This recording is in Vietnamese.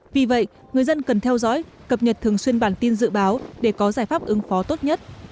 vì vậy người dân cần theo dõi cập nhật thường xuyên bản tin dự báo để có giải pháp ứng phó tốt nhất